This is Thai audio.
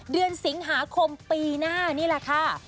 เดือนสิงหาคมปีหน้านี่แหละค่ะ